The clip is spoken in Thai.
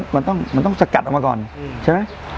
มันต้องสกัดออกมาก่อนใช่ไหม